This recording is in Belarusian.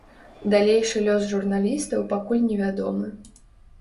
Далейшы лёс журналістаў пакуль невядомы.